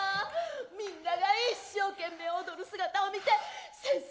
みんなが一生懸命踊る姿を見て先生